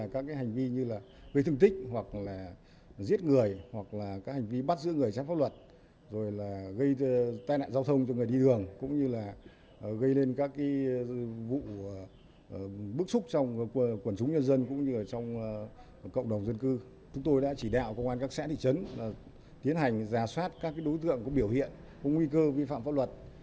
chúng tôi đã chỉ đạo công an các xã thị trấn tiến hành giả soát các đối tượng có biểu hiện có nguy cơ vi phạm pháp luật